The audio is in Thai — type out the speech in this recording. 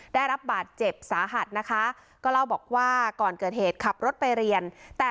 ได้รับบาดเจ็บสาหัสนะคะก็เล่าบอกว่าก่อนเกิดเหตุขับรถไปเรียนแต่